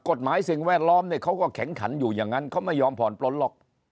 สิ่งแวดล้อมเนี่ยเขาก็แข็งขันอยู่อย่างนั้นเขาไม่ยอมผ่อนปลนหรอก